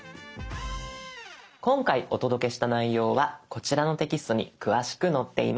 今回お届けした内容はこちらのテキストに詳しく載っています。